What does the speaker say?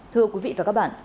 thưa quý vị và các bạn